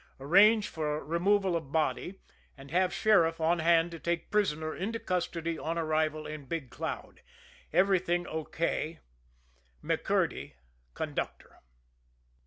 Arrange for removal of body, and have sheriff on hand to take prisoner into custody on arrival in Big Cloud. Everything O.K. McCURDY, Conductor.